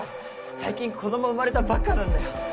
最近子ども生まれたばっかなんだよ